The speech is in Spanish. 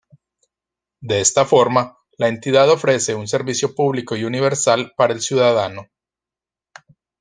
De esta forma, la entidad ofrece un servicio público y universal para el ciudadano.